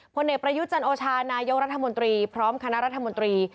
ผลเอกประยุทธ์จันโอชานายกรัฐมนตรีพร้อมคณะรัฐมนตรี